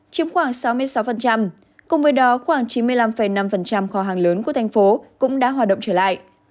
chiếm khoảng sáu mươi sáu cùng với đó khoảng chín mươi năm năm kho hàng lớn của thành phố cũng đã hoạt động trở lại